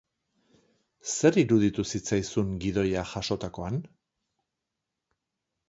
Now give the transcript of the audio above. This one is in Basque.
Zer iruditu zitzaizkizun gidoia jasotakoan?